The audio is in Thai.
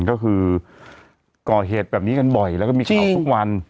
ก็คือก่อเหตุแบบนี้กันบ่อยแล้วก็มีข่าวทุกวัน